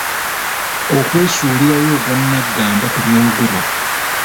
Okwesuulirayo ogwannaggamba ku byogerwa.